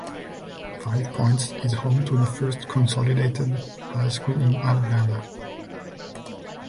Five Points is home to the first consolidated high school in Alabama.